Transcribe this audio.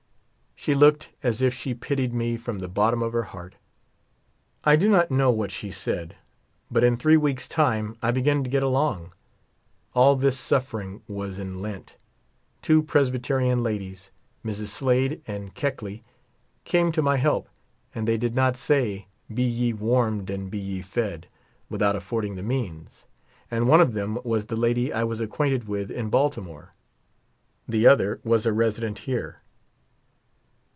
She looked as if she pitied me from the bottom of her heart. I do not know what she said. But in three weeks' time I began to get along. All this suffering was in lent. Two Presbyterian ladies, Mrs. Slade and Keckley, came to my help ; and they did not say " Be ye warmed and be ye fed " without; affording the means ; and one of them was the lady I was acquainted with in Baltimore. The other was a resident here.